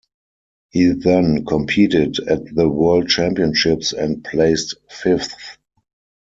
He then competed at the World Championships and placed fifth.